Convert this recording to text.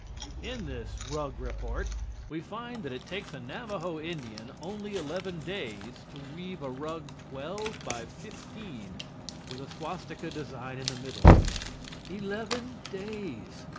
In this rug report we find that it takes a Navajo Indian only eleven days to weave a rug 12 x 5, with a swastika design in the middle. Eleven days.